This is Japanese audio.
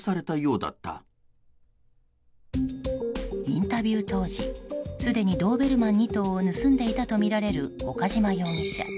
インタビュー当時すでにドーベルマン２頭を盗んでいたとみられる岡島容疑者。